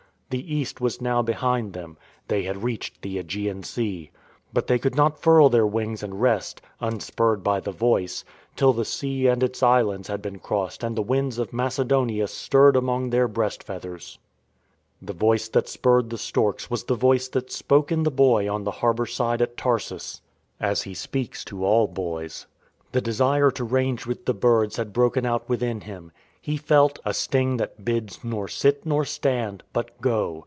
The East was now behind them. They had reached the ^gean Sea. But they could not furl their wings and rest, unspurred by the Voice, till the sea and its islands had been crossed and the winds of Macedonia stirred among their breast feath ers. The Voice that spurred the storks was the Voice that spoke in the boy on the harbour side at Tarsus — :rHE PATH OF THE STORKS 21 as He speaks to all boys. The desire to range with the birds had broken out within him. He felt "A sting that bids Nor sit, nor stand — but go."